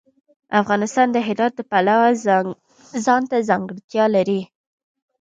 افغانستان د هرات د پلوه ځانته ځانګړتیا لري.